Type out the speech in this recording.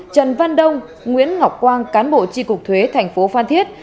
trần văn đông nguyễn ngọc quang cán bộ tri cục thuế thành phố phan thiết